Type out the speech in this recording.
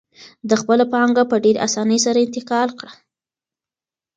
ده خپله پانګه په ډېرې اسانۍ سره انتقال کړه.